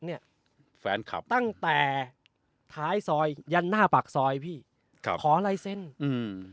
เนี้ยแฟนคลับตั้งแต่ท้ายซอยยันหน้าปากซอยพี่ครับขอลายเซ็นต์อืม